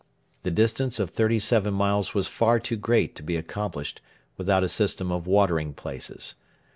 The distance of thirty seven miles was far too great to be accomplished without a system of watering places.